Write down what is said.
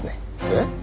えっ？